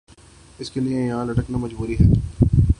اس لئے یہان لٹکنا مجبوری ہے